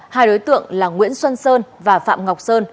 hai đối tượng là nguyễn xuân sơn và phạm ngọc sơn